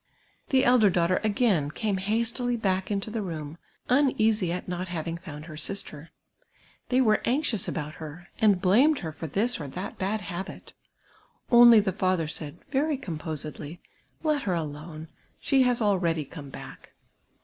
The elder daughter again came hastily back into the room, uneasy at not having found her sister. 'Ihey were anxious 37i THITTir AM) rOKTUY ; FROM MY OWN LIFE. about hor, and bhuni'd her for this or that bad liabit ; only the fatlur said, very composedly, " Let her alone ; she has already come baek